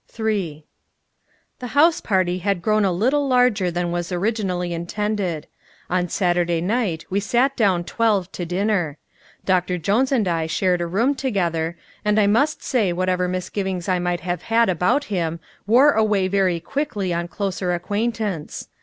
III The house party had grown a little larger than was originally intended. On Saturday night we sat down twelve to dinner. Doctor Jones and I shared a room together, and I must say whatever misgivings I might have had about him wore away very quickly on closer acquaintance.